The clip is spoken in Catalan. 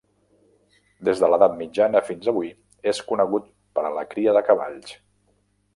Des de l'edat mitjana fins avui és conegut per a la cria de cavalls.